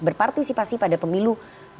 berpartisipasi pada pemilu dua ribu dua puluh